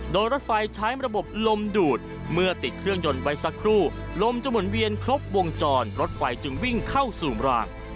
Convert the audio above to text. โดยรถไฟใช้ระบบลมดูดเมื่อติดเครื่องยนต์ไว้สักครู่ลมจะหมุนเวียนครบวงจรรถไฟจึงวิ่งเข้าสู่ราง